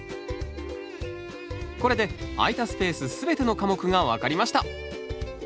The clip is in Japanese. これで空いたスペース全ての科目が分かりました。